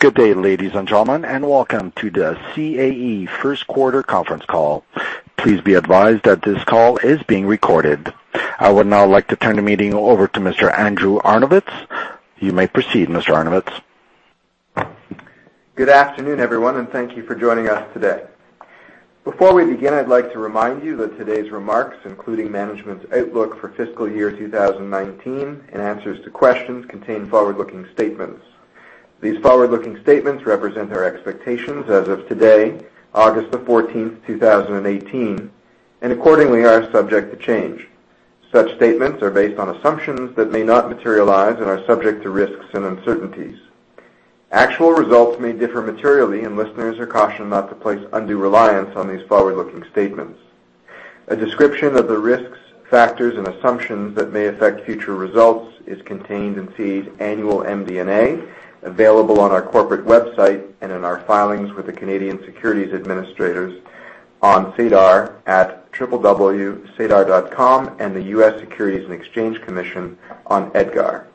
Good day, ladies and gentlemen, and welcome to the CAE first quarter conference call. Please be advised that this call is being recorded. I would now like to turn the meeting over to Mr. Andrew Arnovitz. You may proceed, Mr. Arnovitz. Good afternoon, everyone, and thank you for joining us today. Before we begin, I'd like to remind you that today's remarks, including management's outlook for fiscal year 2019 and answers to questions, contain forward-looking statements. These forward-looking statements represent our expectations as of today, August 14th, 2018, and accordingly are subject to change. Such statements are based on assumptions that may not materialize and are subject to risks and uncertainties. Actual results may differ materially, and listeners are cautioned not to place undue reliance on these forward-looking statements. A description of the risks, factors, and assumptions that may affect future results is contained in CAE's annual MD&A, available on our corporate website and in our filings with the Canadian securities administrators on SEDAR at www.sedar.com, and the U.S. Securities and Exchange Commission on EDGAR.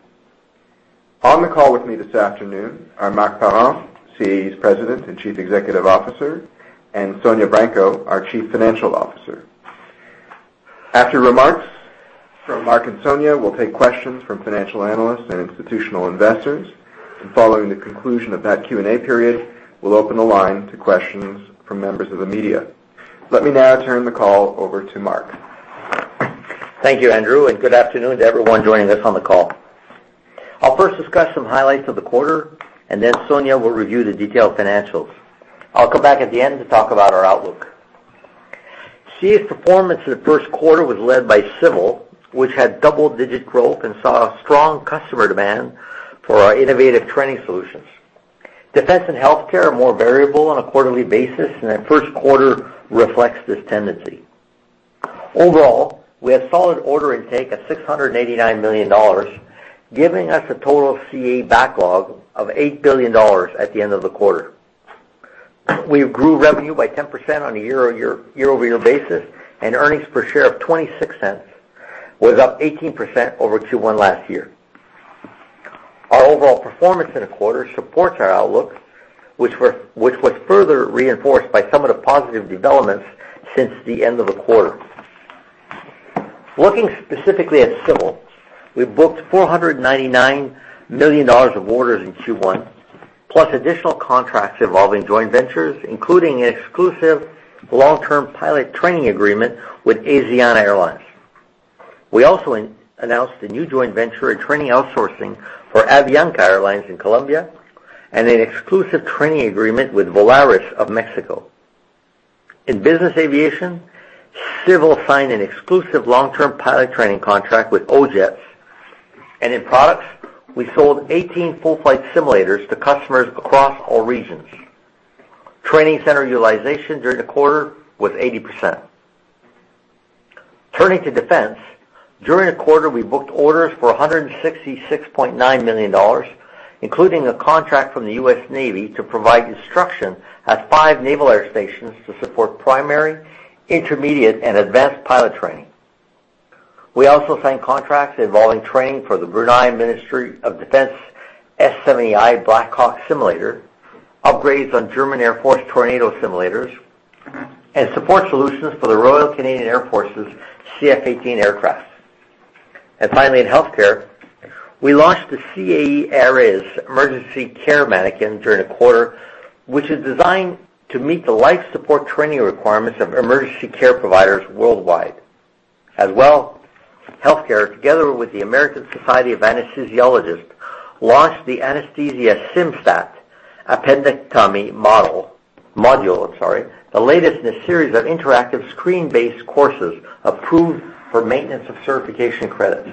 On the call with me this afternoon are Marc Parent, CAE's President and Chief Executive Officer, and Sonya Branco, our Chief Financial Officer. After remarks from Marc and Sonya, we'll take questions from financial analysts and institutional investors, and following the conclusion of that Q&A period, we'll open the line to questions from members of the media. Let me now turn the call over to Marc. Thank you, Andrew, and good afternoon to everyone joining us on the call. I'll first discuss some highlights of the quarter, and then Sonya will review the detailed financials. I'll come back at the end to talk about our outlook. CAE's performance in the first quarter was led by Civil, which had double-digit growth and saw strong customer demand for our innovative training solutions. Defense and Healthcare are more variable on a quarterly basis, and our first quarter reflects this tendency. Overall, we had solid order intake of 689 million dollars, giving us a total CAE backlog of 8 billion dollars at the end of the quarter. We grew revenue by 10% on a year-over-year basis, and earnings per share of 0.26 was up 18% over Q1 last year. Our overall performance in a quarter supports our outlook, which was further reinforced by some of the positive developments since the end of the quarter. Looking specifically at Civil, we booked 499 million dollars of orders in Q1, plus additional contracts involving joint ventures, including an exclusive long-term pilot training agreement with Asiana Airlines. We also announced a new joint venture in training outsourcing for Avianca Airlines in Colombia, and an exclusive training agreement with Volaris of Mexico. In business aviation, Civil signed an exclusive long-term pilot training contract with O-Jets, and in products, we sold 18 full flight simulators to customers across all regions. Training center utilization during the quarter was 80%. Turning to Defense, during the quarter, we booked orders for 166.9 million dollars, including a contract from the U.S. Navy to provide instruction at five naval air stations to support primary, intermediate, and advanced pilot training. Finally, in Healthcare, we launched the CAE Ares Emergency Care Manikin during the quarter, which is designed to meet the life support training requirements of emergency care providers worldwide. As well, Healthcare, together with the American Society of Anesthesiologists, launched the Anesthesia SimSTAT Appendectomy module, the latest in a series of interactive screen-based courses approved for maintenance of certification credits.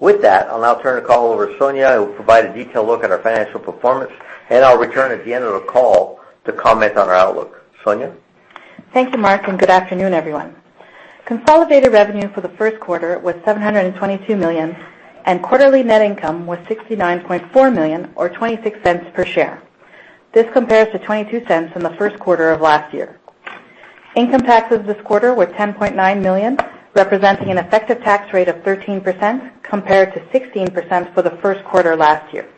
With that, I'll now turn the call over to Sonya, who will provide a detailed look at our financial performance, and I'll return at the end of the call to comment on our outlook. Sonya? Thank you, Marc, good afternoon, everyone. Consolidated revenue for the first quarter was 722 million, quarterly net income was 69.4 million, or 0.26 per share. This compares to 0.22 in the first quarter of last year. Income taxes this quarter were 10.9 million, representing an effective tax rate of 13%, compared to 16% for the first quarter last year.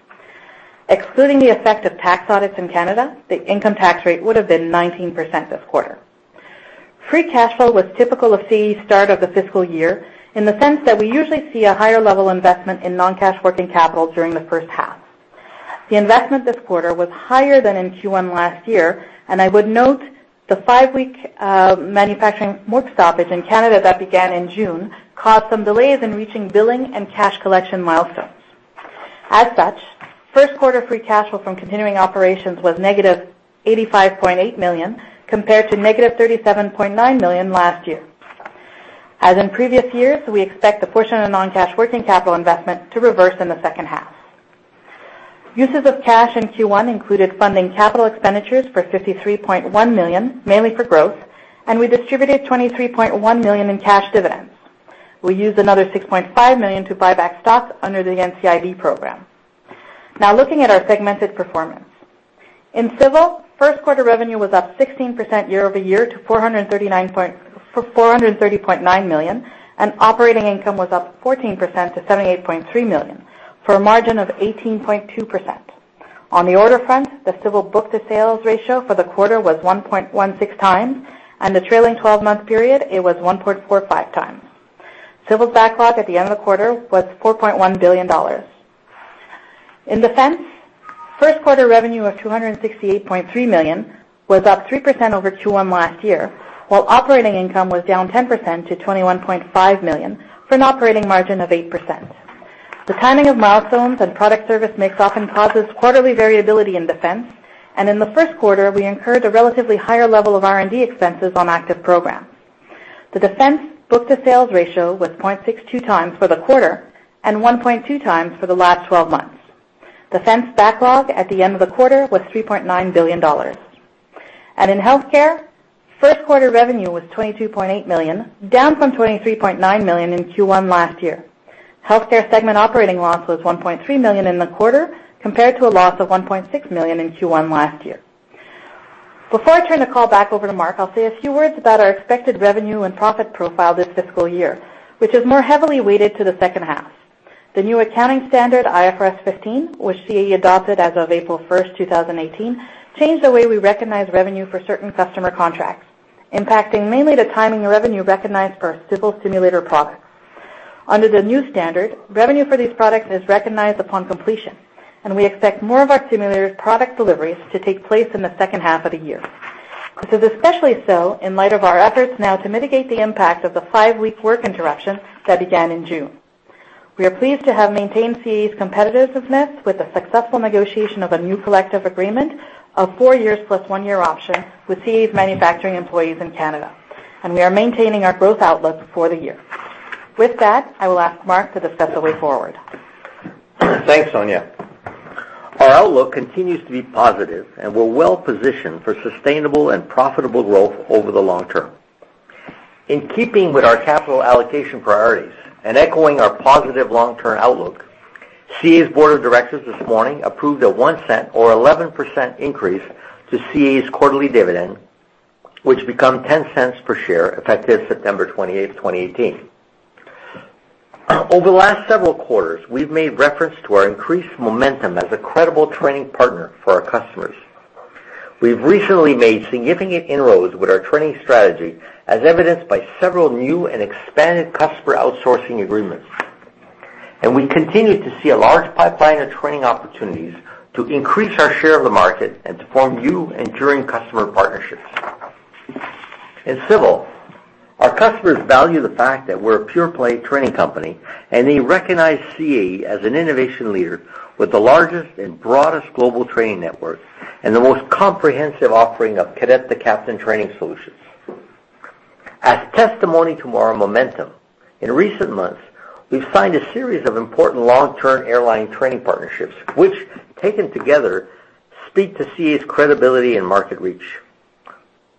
Excluding the effect of tax audits in Canada, the income tax rate would've been 19% this quarter. Free cash flow was typical of CAE's start of the fiscal year in the sense that we usually see a higher level investment in non-cash working capital during the first half. The investment this quarter was higher than in Q1 last year, I would note the five-week manufacturing work stoppage in Canada that began in June caused some delays in reaching billing and cash collection milestones. Such, first quarter free cash flow from continuing operations was negative 85.8 million, compared to negative 37.9 million last year. As in previous years, we expect the portion of the non-cash working capital investment to reverse in the second half. Uses of cash in Q1 included funding capital expenditures for 53.1 million, mainly for growth, we distributed 23.1 million in cash dividends. We used another 6.5 million to buy back stock under the NCIB program. Now looking at our segmented performance. In Civil, first quarter revenue was up 16% year-over-year to 430.9 million, operating income was up 14% to 78.3 million for a margin of 18.2%. On the order front, the Civil book-to-sales ratio for the quarter was 1.16 times, the trailing 12-month period, it was 1.45 times. Civil's backlog at the end of the quarter was 4.1 billion dollars. In defense, first quarter revenue of 268.3 million was up 3% over Q1 last year, while operating income was down 10% to 21.5 million for an operating margin of 8%. The timing of milestones and product service mix often causes quarterly variability in defense, and in the first quarter, we incurred a relatively higher level of R&D expenses on active programs. The defense book-to-sales ratio was 0.62 times for the quarter and 1.2 times for the last 12 months. Defense backlog at the end of the quarter was CAD 3.9 billion. In healthcare, first quarter revenue was 22.8 million, down from 23.9 million in Q1 last year. Healthcare segment operating loss was 1.3 million in the quarter, compared to a loss of 1.6 million in Q1 last year. Before I turn the call back over to Marc, I'll say a few words about our expected revenue and profit profile this fiscal year, which is more heavily weighted to the second half. The new accounting standard, IFRS 15, which CAE adopted as of April 1, 2018, changed the way we recognize revenue for certain customer contracts, impacting mainly the timing of revenue recognized for our civil simulator products. Under the new standard, revenue for these products is recognized upon completion, and we expect more of our simulators product deliveries to take place in the second half of the year. This is especially so in light of our efforts now to mitigate the impact of the five-week work interruption that began in June. We are pleased to have maintained CAE's competitiveness with the successful negotiation of a new collective agreement of four years plus one-year option with CAE's manufacturing employees in Canada, and we are maintaining our growth outlook for the year. With that, I will ask Marc to discuss the way forward. Thanks, Sonya. Our outlook continues to be positive, and we're well-positioned for sustainable and profitable growth over the long term. In keeping with our capital allocation priorities and echoing our positive long-term outlook, CAE's board of directors this morning approved a one cent or 11% increase to CAE's quarterly dividend, which became 0.10 per share effective September 28, 2018. Over the last several quarters, we've made reference to our increased momentum as a credible training partner for our customers. We've recently made significant inroads with our training strategy as evidenced by several new and expanded customer outsourcing agreements. We continue to see a large pipeline of training opportunities to increase our share of the market and to form new enduring customer partnerships. In civil, our customers value the fact that we're a pure-play training company, and they recognize CAE as an innovation leader with the largest and broadest global training network and the most comprehensive offering of cadet-to-captain training solutions. As testimony to our momentum, in recent months, we've signed a series of important long-term airline training partnerships, which, taken together, speak to CAE's credibility and market reach.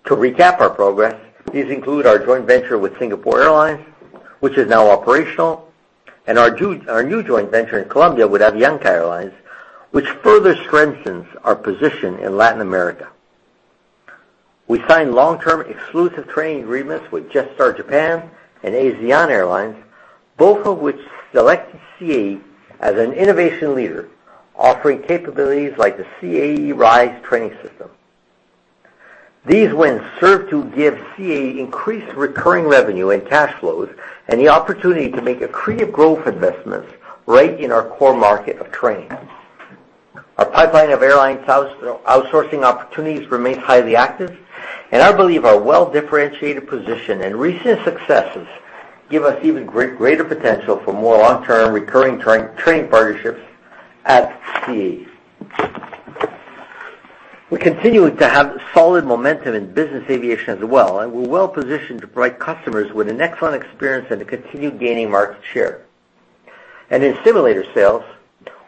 To recap our progress, these include our joint venture with Singapore Airlines, which is now operational, and our new joint venture in Colombia with Avianca Airlines, which further strengthens our position in Latin America. We signed long-term exclusive training agreements with Jetstar Japan and Asiana Airlines, both of which selected CAE as an innovation leader, offering capabilities like the CAE Rise Training System. These wins serve to give CAE increased recurring revenue and cash flows and the opportunity to make accretive growth investments right in our core market of training. Our pipeline of airline outsourcing opportunities remains highly active, and I believe our well-differentiated position and recent successes give us even greater potential for more long-term recurring training partnerships at CAE. We're continuing to have solid momentum in business aviation as well, and we're well-positioned to provide customers with an excellent experience and to continue gaining market share. In simulator sales,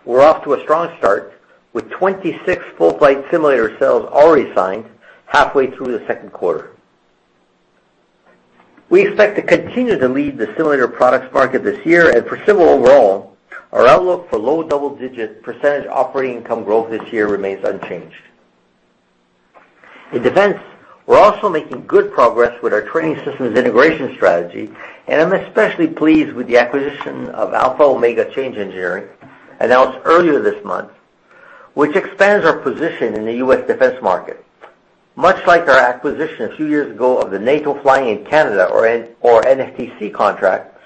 we're off to a strong start with 26 full flight simulator sales already signed halfway through the second quarter. We expect to continue to lead the simulator products market this year. For civil overall, our outlook for low double-digit % operating income growth this year remains unchanged. In defense, we're also making good progress with our training systems integration strategy, and I'm especially pleased with the acquisition of Alpha-Omega Change Engineering announced earlier this month, which expands our position in the U.S. defense market. Much like our acquisition a few years ago of the NATO Flying Training in Canada or NFTC contract,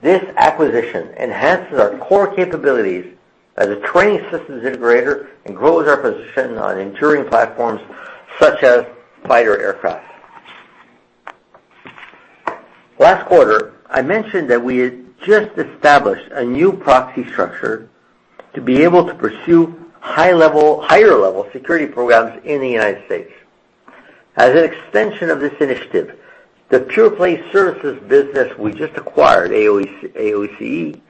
this acquisition enhances our core capabilities as a training systems integrator and grows our position on enduring platforms such as fighter aircraft. Last quarter, I mentioned that we had just established a new proxy structure to be able to pursue higher-level security programs in the United States. As an extension of this initiative, the pure play services business we just acquired, AOCE,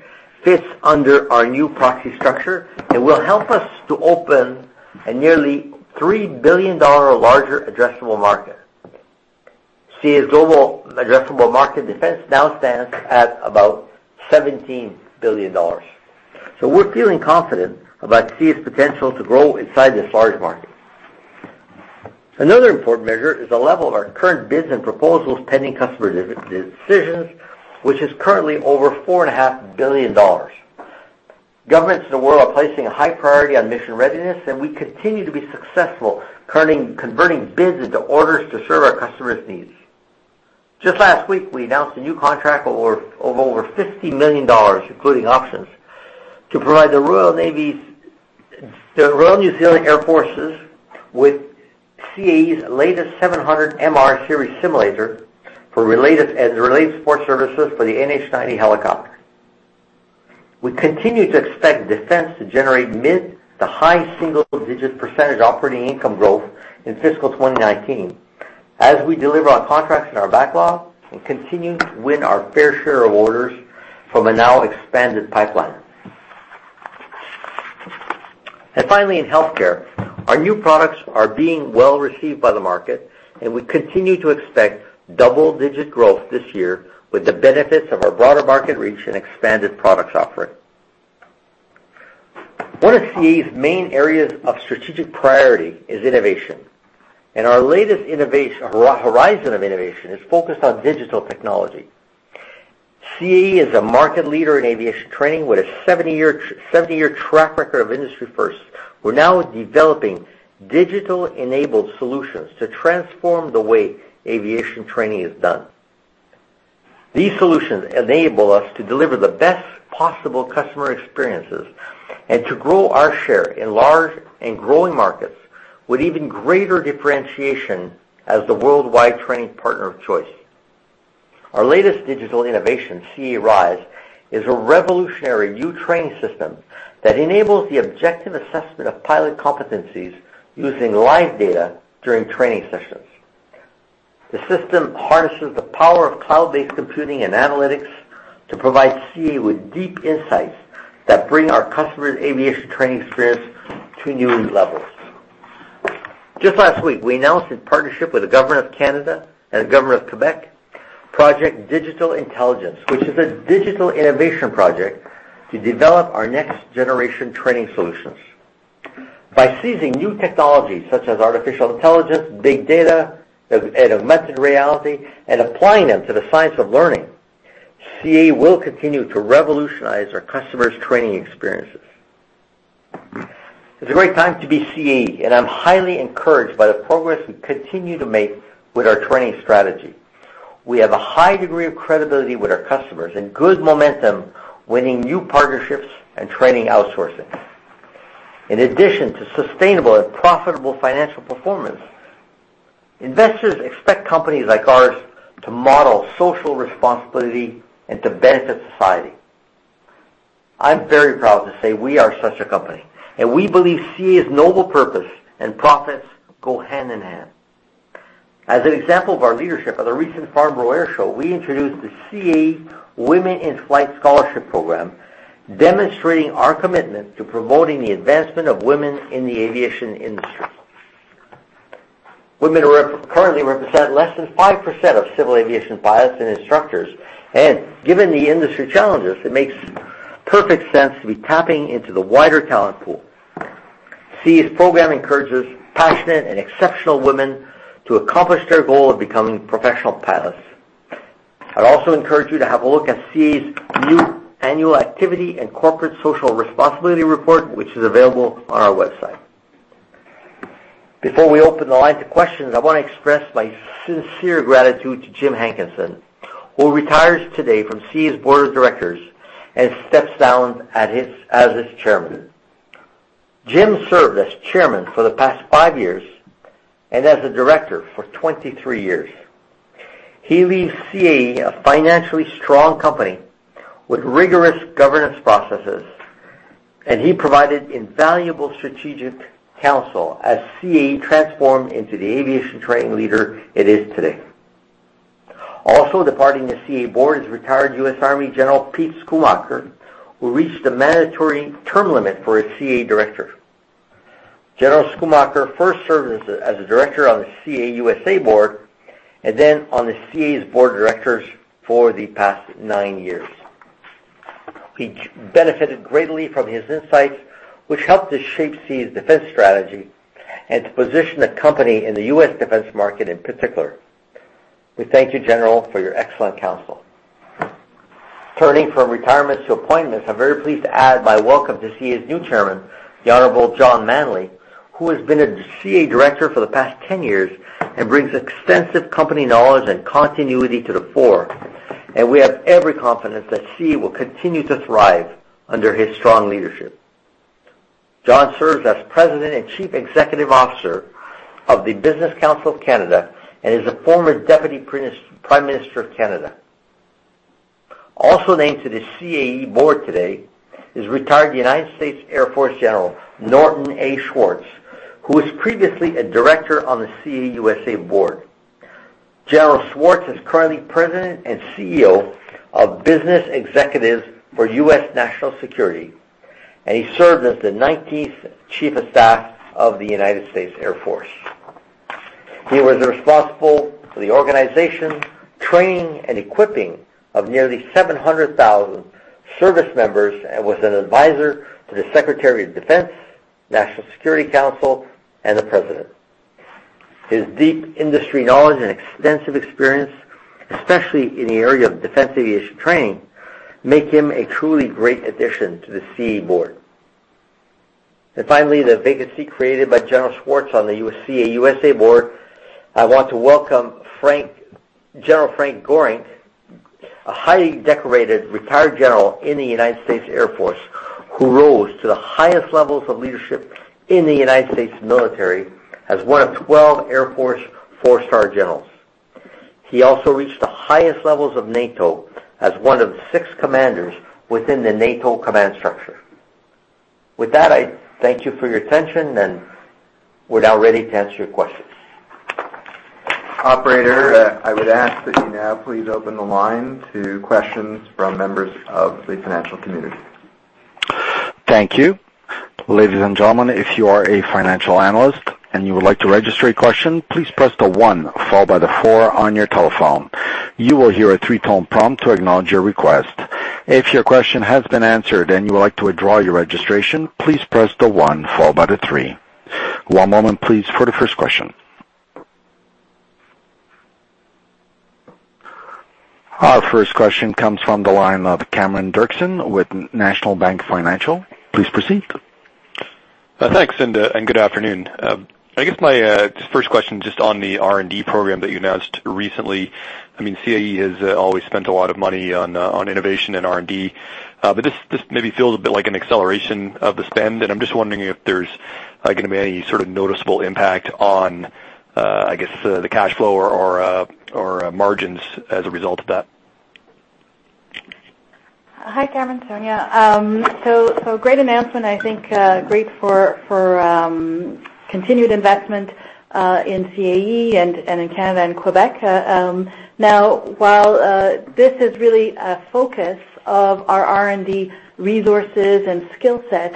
fits under our new proxy structure and will help us to open a nearly 3 billion dollar larger addressable market. CAE's global addressable market defense now stands at about 17 billion dollars. We're feeling confident about CAE's potential to grow inside this large market. Another important measure is the level of our current bids and proposals pending customer decisions, which is currently over 4.5 billion dollars. Governments in the world are placing a high priority on mission readiness, and we continue to be successful converting bids into orders to serve our customers' needs. Just last week, we announced a new contract of over 50 million dollars, including options, to provide the Royal New Zealand Air Force with CAE's latest 700MR Series simulator and related support services for the NH90 helicopter. We continue to expect defense to generate mid to high single-digit % operating income growth in fiscal 2019 as we deliver on contracts in our backlog and continue to win our fair share of orders from a now expanded pipeline. Finally, in healthcare, our new products are being well-received by the market, and we continue to expect double-digit growth this year with the benefits of our broader market reach and expanded product offering. One of CAE's main areas of strategic priority is innovation. Our latest horizon of innovation is focused on digital technology. CAE is a market leader in aviation training with a 70-year track record of industry firsts. We're now developing digital-enabled solutions to transform the way aviation training is done. These solutions enable us to deliver the best possible customer experiences and to grow our share in large and growing markets with even greater differentiation as the worldwide training partner of choice. Our latest digital innovation, CAE Rise, is a revolutionary new training system that enables the objective assessment of pilot competencies using live data during training sessions. The system harnesses the power of cloud-based computing and analytics to provide CAE with deep insights that bring our customers' aviation training experience to new levels. Just last week, we announced a partnership with the government of Canada and the government of Quebec, Project Digital Intelligence, which is a digital innovation project to develop our next generation training solutions. By seizing new technologies such as artificial intelligence, big data, and augmented reality, and applying them to the science of learning, CAE will continue to revolutionize our customers' training experiences. It's a great time to be CAE. I'm highly encouraged by the progress we continue to make with our training strategy. We have a high degree of credibility with our customers and good momentum, winning new partnerships and training outsourcing. In addition to sustainable and profitable financial performance, investors expect companies like ours to model social responsibility and to benefit society. I'm very proud to say we are such a company. We believe CAE's noble purpose and profits go hand in hand. As an example of our leadership, at the recent Farnborough International Airshow, we introduced the CAE Women in Flight Scholarship Program, demonstrating our commitment to promoting the advancement of women in the aviation industry. Women currently represent less than 5% of civil aviation pilots and instructors. Given the industry challenges, it makes perfect sense to be tapping into the wider talent pool. CAE's program encourages passionate and exceptional women to accomplish their goal of becoming professional pilots. I'd also encourage you to have a look at CAE's new annual activity and corporate social responsibility report, which is available on our website. Before we open the line to questions, I want to express my sincere gratitude to Jim Hankinson, who retires today from CAE's board of directors and steps down as its chairman. Jim served as chairman for the past five years and as a director for 23 years. He leaves CAE a financially strong company with rigorous governance processes. He provided invaluable strategic counsel as CAE transformed into the aviation training leader it is today. Also departing the CAE board is retired U.S. Army General Pete Schoomaker, who reached the mandatory term limit for a CAE director. General Schoomaker first served as a director on the CAE USA board. Then on the CAE's board of directors for the past nine years. We benefited greatly from his insights, which helped to shape CAE's defense strategy and to position the company in the U.S. defense market in particular. We thank you, General, for your excellent counsel. Turning from retirements to appointments, I'm very pleased to add my welcome to CAE's new Chairman, the Honorable John Manley, who has been a CAE Director for the past 10 years and brings extensive company knowledge and continuity to the fore. We have every confidence that CAE will continue to thrive under his strong leadership. John serves as President and Chief Executive Officer of the Business Council of Canada and is a former Deputy Prime Minister of Canada. Also named to the CAE board today is retired United States Air Force General Norton A. Schwartz, who was previously a Director on the CAE USA board. General Schwartz is currently President and CEO of Business Executives for U.S. National Security. He served as the 19th Chief of Staff of the United States Air Force. He was responsible for the organization, training, and equipping of nearly 700,000 service members, and was an advisor to the Secretary of Defense, National Security Council, and the President. His deep industry knowledge and extensive experience, especially in the area of defense aviation training, make him a truly great addition to the CAE board. Finally, the vacancy created by General Schwartz on the CAE USA board, I want to welcome General Frank Gorenc, a highly decorated retired General in the United States Air Force, who rose to the highest levels of leadership in the U.S. military as one of 12 Air Force four-star generals. He also reached the highest levels of NATO as one of six commanders within the NATO command structure. With that, I thank you for your attention, and we're now ready to answer your questions. Operator, I would ask that you now please open the line to questions from members of the financial community. Thank you. Ladies and gentlemen, if you are a financial analyst and you would like to register a question, please press the one followed by the four on your telephone. You will hear a three-tone prompt to acknowledge your request. If your question has been answered and you would like to withdraw your registration, please press the one followed by the three. One moment, please, for the first question. Our first question comes from the line of Cameron Doerksen with National Bank Financial. Please proceed. Thanks, good afternoon. My first question, just on the R&D program that you announced recently. CAE has always spent a lot of money on innovation and R&D, this maybe feels a bit like an acceleration of the spend, I'm just wondering if there's going to be any sort of noticeable impact on the cash flow or margins as a result of that. Hi, Cameron. Sonya. Great announcement, I think great for continued investment in CAE and in Canada and Quebec. While this is really a focus of our R&D resources and skill set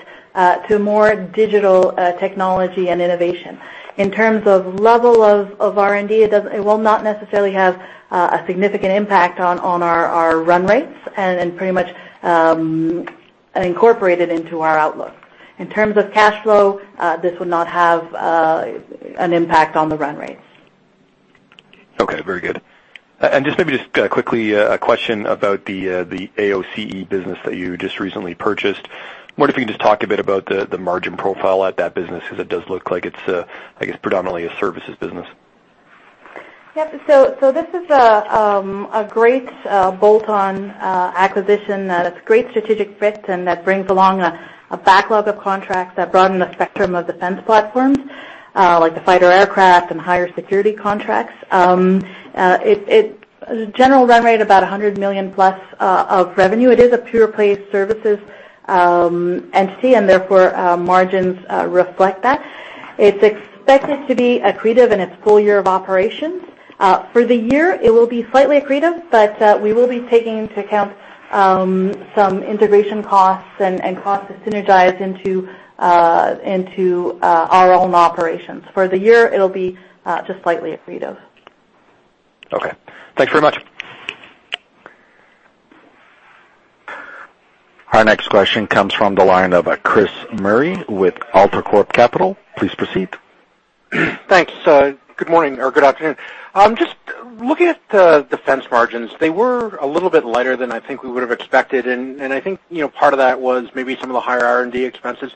to more digital technology and innovation. In terms of level of R&D, it will not necessarily have a significant impact on our run rates, pretty much incorporated into our outlook. In terms of cash flow, this would not have an impact on the run rates. Very good. Just maybe just quickly, a question about the AOCE business that you just recently purchased. Wonder if you can just talk a bit about the margin profile at that business, because it does look like it's predominantly a services business. Yep. This is a great bolt-on acquisition that's a great strategic fit, that brings along a backlog of contracts that broaden the spectrum of defense platforms, like the fighter aircraft and higher security contracts. The general run rate, about 100 million plus of revenue. It is a pure play services entity, therefore, margins reflect that. It's expected to be accretive in its full year of operation. For the year, it will be slightly accretive, we will be taking into account some integration costs and costs to synergize into our own operations. For the year, it'll be just slightly accretive. Okay. Thanks very much. Our next question comes from the line of Chris Murray with AltaCorp Capital. Please proceed. Thanks. Good morning, or good afternoon. Just looking at the Defense margins, they were a little bit lighter than I think we would've expected, and I think part of that was maybe some of the higher R&D expenses.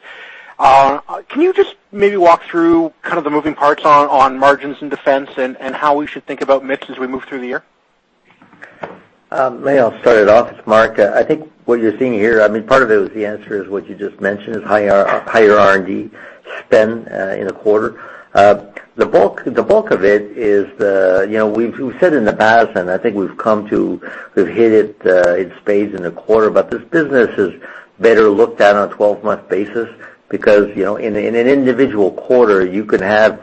Can you just maybe walk through the moving parts on margins in Defense, and how we should think about mix as we move through the year? Maybe I'll start it off. It's Marc. I think what you're seeing here, part of it was the answer is what you just mentioned, is higher R&D spend in the quarter. The bulk of it is, we've said in the past, and I think we've hit it in spades in the quarter, but this business is better looked at on a 12-month basis because, in an individual quarter, you could have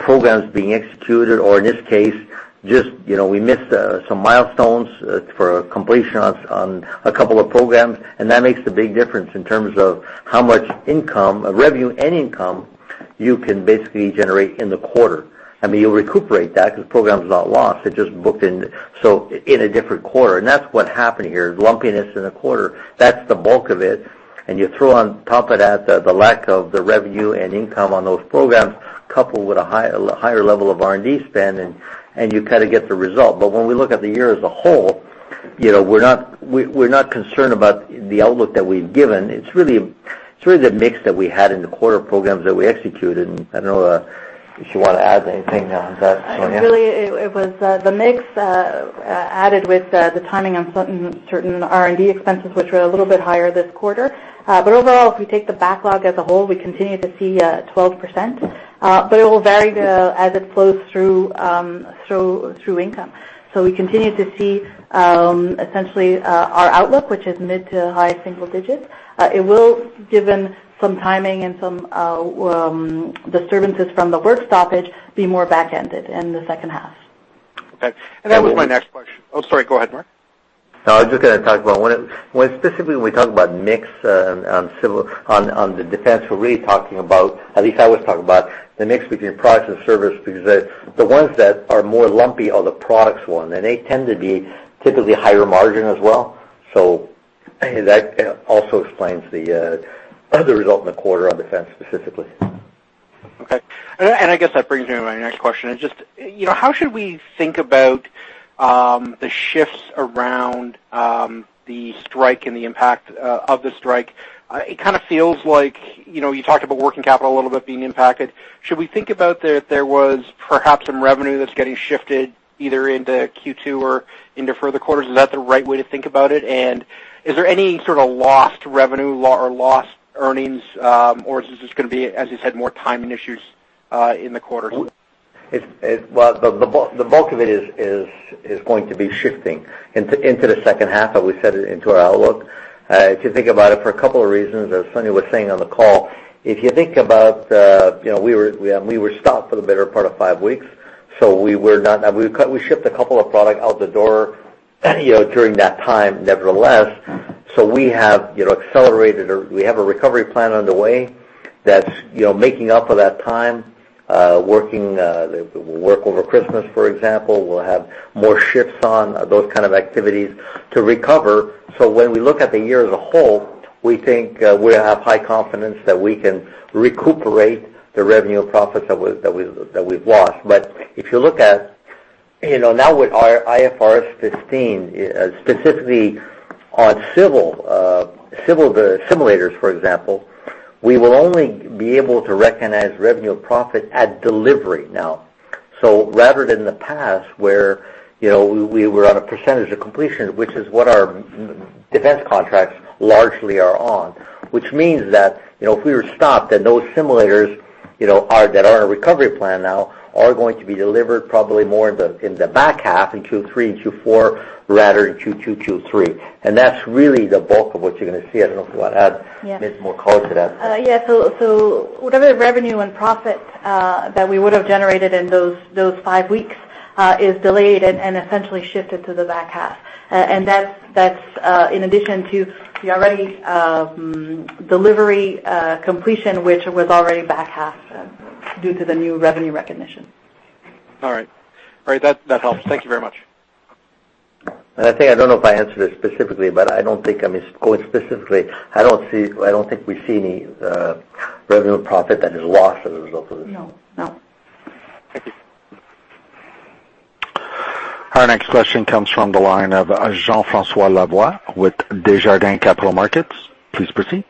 programs being executed or in this case, we missed some milestones for completion on a couple of programs, and that makes a big difference in terms of how much revenue and income you can basically generate in the quarter. You'll recuperate that because the program's not lost, it's just booked in. In a different quarter, and that's what happened here, is lumpiness in a quarter. You throw on top of that the lack of the revenue and income on those programs, coupled with a higher level of R&D spend, you get the result. When we look at the year as a whole, we're not concerned about the outlook that we've given. It's really the mix that we had in the quarter programs that we executed, I don't know if you want to add anything on that, Sonya. Really, it was the mix, added with the timing on certain R&D expenses, which were a little bit higher this quarter. Overall, if we take the backlog as a whole, we continue to see 12%, but it will vary as it flows through income. We continue to see, essentially, our outlook, which is mid to high single digits. It will, given some timing and some disturbances from the work stoppage, be more back-ended in the second half. Okay. That was my next question. Oh, sorry. Go ahead, Marc. No, I was just going to talk about when specifically we talk about mix on the defense, we're really talking about, at least I always talk about, the mix between products and service, because the ones that are more lumpy are the products one, they tend to be typically higher margin as well. That also explains the other result in the quarter on defense specifically. Okay. I guess that brings me to my next question. How should we think about the shifts around the strike and the impact of the strike? It kind of feels like, you talked about working capital a little bit being impacted. Should we think about that there was perhaps some revenue that's getting shifted either into Q2 or into further quarters? Is that the right way to think about it? Is there any sort of lost revenue or lost earnings? Is this just going to be, as you said, more timing issues in the quarters? Well, the bulk of it is going to be shifting into the second half, as we said into our outlook. If you think about it, for a couple of reasons, as Sonya was saying on the call, if you think about we were stopped for the better part of five weeks. We shipped a couple of product out the door during that time, nevertheless. We have accelerated or we have a recovery plan underway that's making up for that time, working over Christmas, for example. We'll have more shifts on those kind of activities to recover. When we look at the year as a whole, we think we have high confidence that we can recuperate the revenue profits that we've lost. If you look at, now with our IFRS 15, specifically on civil simulators, for example, we will only be able to recognize revenue profit at delivery now. Rather than the past where we were on a percentage of completion, which is what our defense contracts largely are on. Which means that if we were stopped, those simulators that are in our recovery plan now are going to be delivered probably more in the back half, in Q3 and Q4, rather than Q2, Q3. That's really the bulk of what you're going to see. I don't know if you want to add. Yeah a bit more color to that. Yeah. Whatever revenue and profit that we would have generated in those five weeks is delayed and essentially shifted to the back half. That's in addition to the already delivery completion, which was already back halfed due to the new revenue recognition. All right. That helps. Thank you very much. I think, I don't know if I answered it specifically, but I don't think, going specifically, I don't think we see any revenue profit that is lost as a result of this. No. Thank you. Our next question comes from the line of Jean-Francois Lavoie with Desjardins Capital Markets. Please proceed.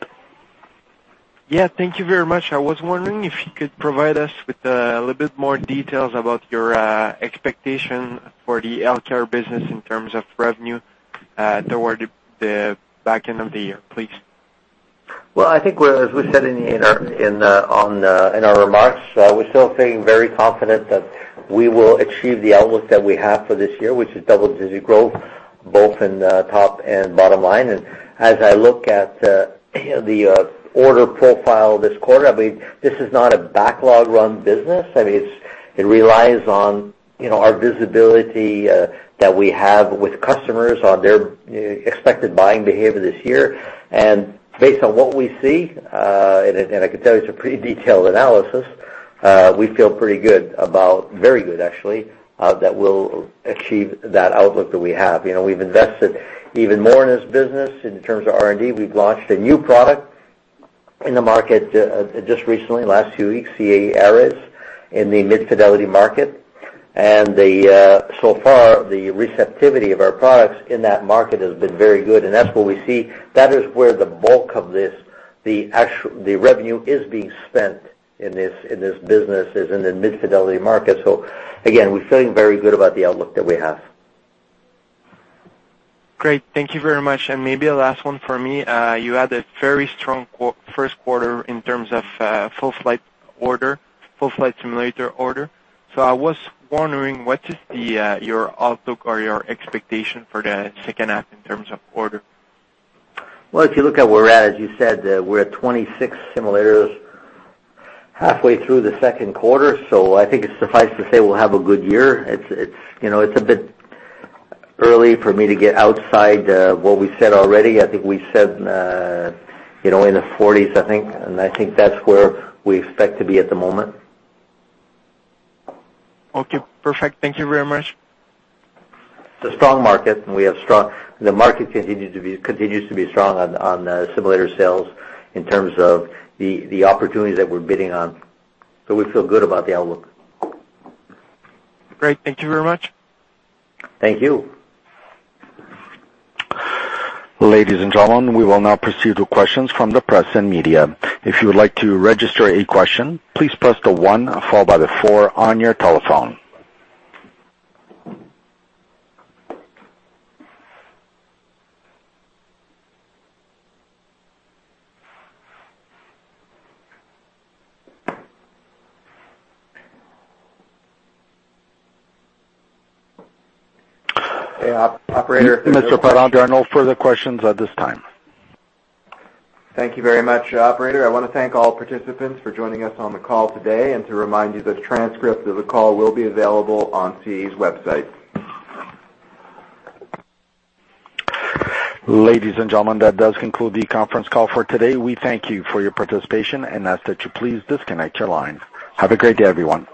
Yeah, thank you very much. I was wondering if you could provide us with a little bit more details about your expectation for the healthcare business in terms of revenue toward the back end of the year, please. Well, I think as we said in our remarks, we're still feeling very confident that we will achieve the outlook that we have for this year, which is double-digit growth, both in the top and bottom line. As I look at the order profile this quarter, this is not a backlog-run business. It relies on our visibility that we have with customers on their expected buying behavior this year. Based on what we see, and I can tell you it's a pretty detailed analysis, we feel pretty good about, very good actually, that we'll achieve that outlook that we have. We've invested even more in this business in terms of R&D. We've launched a new product in the market just recently, in the last few weeks, CAE Ares, in the mid-fidelity market. So far, the receptivity of our products in that market has been very good, and that's what we see. That is where the bulk of the revenue is being spent in this business, is in the mid-fidelity market. Again, we're feeling very good about the outlook that we have. Great. Thank you very much. Maybe a last one for me. You had a very strong first quarter in terms of full flight simulator order. I was wondering, what is your outlook or your expectation for the second half in terms of order? Well, if you look at where we're at, as you said, we're at 26 simulators halfway through the second quarter. I think it's suffice to say we'll have a good year. It's a bit early for me to get outside what we said already. I think we said in the 40s. I think that's where we expect to be at the moment. Okay, perfect. Thank you very much. It's a strong market. The market continues to be strong on simulator sales in terms of the opportunities that we're bidding on. We feel good about the outlook. Great. Thank you very much. Thank you. Ladies and gentlemen, we will now proceed to questions from the press and media. If you would like to register a question, please press the one followed by the four on your telephone. Hey, operator. Mr. Parent, there are no further questions at this time. Thank you very much, operator. I want to thank all participants for joining us on the call today. To remind you, the transcript of the call will be available on CAE's website. Ladies and gentlemen, that does conclude the conference call for today. We thank you for your participation and ask that you please disconnect your line. Have a great day, everyone.